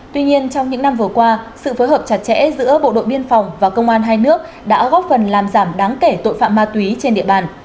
tuy nhiên trong những năm vừa qua sự phối hợp chặt chẽ giữa bộ đội biên phòng và công an hai nước đã góp phần làm giảm đáng kể tội phạm ma túy trên địa bàn